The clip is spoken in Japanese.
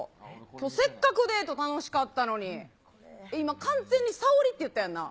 せっかくデート楽しかったのに、今、完全にさおりって言ったやんな。